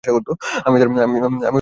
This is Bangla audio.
আমি তার সামনে এসে দাঁড়ালুম।